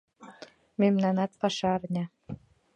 Мемнанат паша арня